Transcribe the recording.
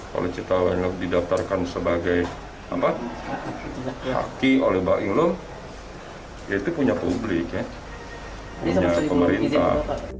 kalau cita yang fashion week didaftarkan sebagai haki oleh baimuang ya itu punya publik punya pemerintah